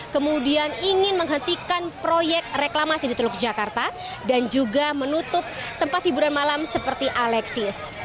kemudian ingin menghentikan proyek reklamasi di teluk jakarta dan juga menutup tempat hiburan malam seperti alexis